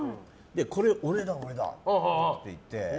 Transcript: これが、俺だって言って。